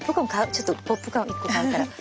ちょっとポップコーン１個買うから。